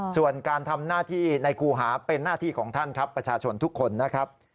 ส่วนการทำหน้าที่ในครูหาเป็นหน้าที่ของท่านครับประชาชนทุกคนนะครับ